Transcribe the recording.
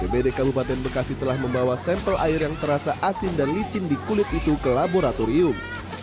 bbd kabupaten bekasi telah membawa sampel air yang terasa asin dan licin di kulit itu ke laboratorium